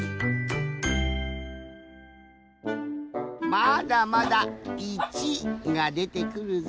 まだまだ一がでてくるぞ。